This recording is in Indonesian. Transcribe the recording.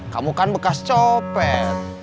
kamu kan bekas copet